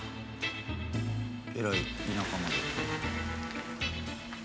えらい田舎まで。